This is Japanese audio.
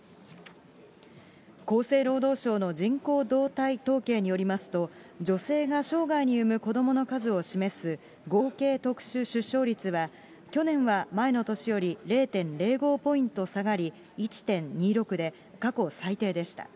厚生労働省の人口動態統計によりますと、女性が生涯に産む子どもの数を示す、合計特殊出生率は、去年は前の年より０．０５ポイント下がり、１．２６で、過去最低でした。